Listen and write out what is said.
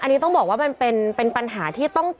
อันนี้ต้องบอกว่ามันเป็นปัญหาที่ต้อง